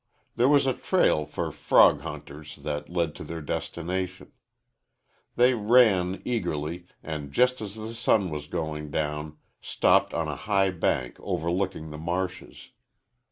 There was a trail for frog hunters that led to their destination. They ran, eagerly, and, just as the sun was going down, stopped on a high bank overlooking the marshes.